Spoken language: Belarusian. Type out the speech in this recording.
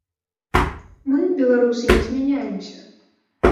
Мы, беларусы, не змяняемся.